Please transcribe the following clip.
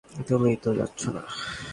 তুমিই তো যাচ্ছো না।